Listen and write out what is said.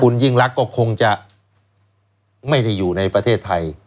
คุณยิ่งรักก็คงจะไม่ได้อยู่ในประเทศไทย